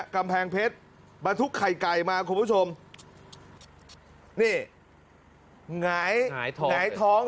กำแพงเพชรบรรทุกไข่ไก่มาคุณผู้ชมนี่หงายท้องหงายท้อง